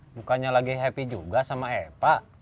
bukannya lagi happy juga sama epa